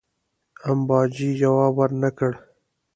امباجي جواب ورنه کړ.